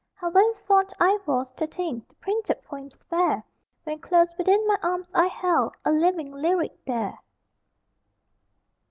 How very fond I was, to think The printed poems fair, When close within my arms I held A living lyric there!